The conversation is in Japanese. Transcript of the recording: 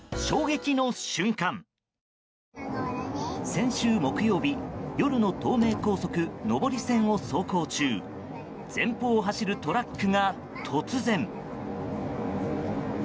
先週木曜日夜の東名高速上り線を走行中前方を走るトラックが突然。